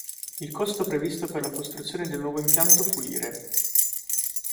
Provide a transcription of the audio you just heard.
Il costo previsto per la costruzione del nuovo impianto fu lire.